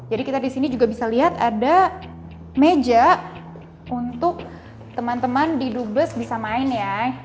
jadi kita di sini juga bisa lihat ada meja untuk teman teman di dubes bisa main ya